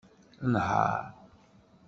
Nheṛ.